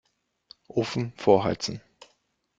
Ofen vorheizen.